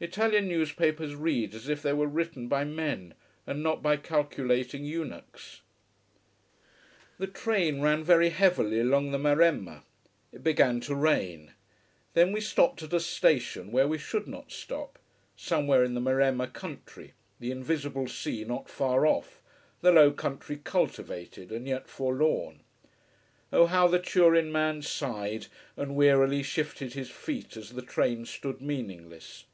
Italian newspapers read as if they were written by men, and not by calculating eunuchs. The train ran very heavily along the Maremma. It began to rain. Then we stopped at a station where we should not stop somewhere in the Maremma country, the invisible sea not far off, the low country cultivated and yet forlorn. Oh how the Turin man sighed, and wearily shifted his feet as the train stood meaningless.